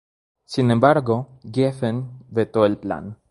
Sin embargo, Geffen vetó el plan.